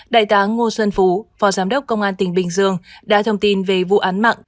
đại tá ngô xuân phú phó giám đốc công an tỉnh bình dương đã thông tin về vụ án mạng